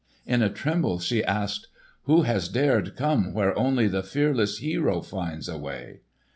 In a tremble she asked, "Who has dared come where only the fearless hero finds a way?"